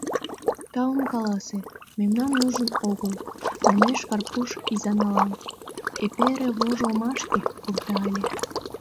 — Таум каласе — мемнам ужын огыл, — манеш Карпуш Изиналан, — эпере вожылмашке пурта ыле...